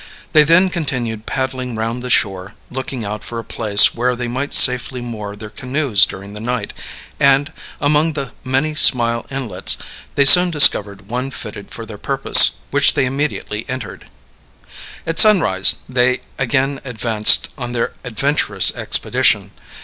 They then continued paddling round the shore, looking out for a place where they might safely moor their canoes during the night, and, among the many small inlets, they soon discovered one fitted for their purpose, which they immediately entered. At sunrise they again advanced on their adventurous expedition.